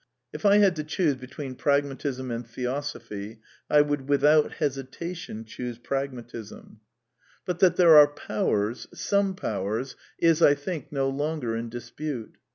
If I had to choose between Pragmatism and Theosophy I would with out hesitation choose Pragmatism. 266 A DEFENCE OF IDEALISM But that there are " powers," some powers, is, I think, no longer in dispute.